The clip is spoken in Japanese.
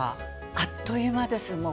あっという間です、もう。